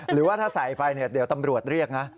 หรือว่าถ้าใส่ไปเดี๋ยวตำรวจเรียกนะ